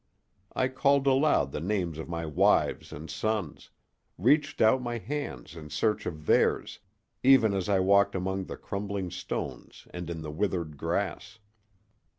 I called aloud the names of my wives and sons, reached out my hands in search of theirs, even as I walked among the crumbling stones and in the withered grass.